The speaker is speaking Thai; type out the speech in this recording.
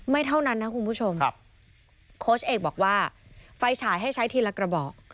เท่านั้นนะคุณผู้ชมโค้ชเอกบอกว่าไฟฉายให้ใช้ทีละกระบอก